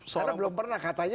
karena belum pernah katanya